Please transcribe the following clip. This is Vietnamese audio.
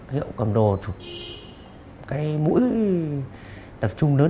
hiệu cầm đồ chụp cái mũi tập trung lớn